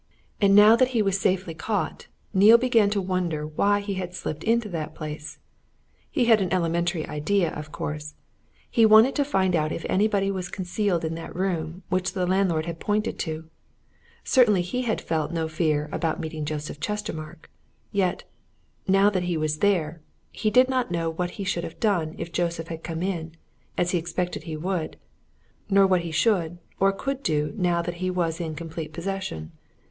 And now that he was safely caught, Neale began to wonder why he had slipped into that place. He had an elementary idea, of course he had wanted to find out if anybody was concealed in that room which the landlord had pointed out. Certainly he had felt no fear about meeting Joseph Chestermarke. Yet now that he was there he did not know what he should have done if Joseph had come in, as he expected he would, nor what he should, or could do now that he was in complete possession.